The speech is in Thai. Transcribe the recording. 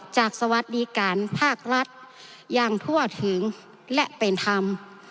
สวัสดีการภาครัฐอย่างทั่วถึงและเป็นธรรม